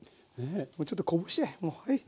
もうちょっとこぼしちゃえもう。